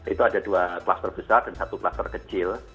itu ada dua kluster besar dan satu kluster kecil